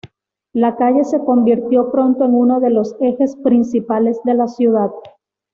La calle se convirtió pronto en uno de los ejes principales de la ciudad.